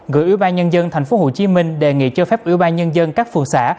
gửi ủy ban nhân dân tp hcm đề nghị cho phép ủy ban nhân dân các phường xã